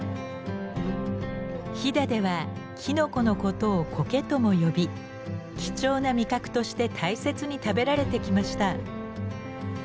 飛騨ではきのこのことを「こけ」とも呼び貴重な味覚として大切に食べられてきました。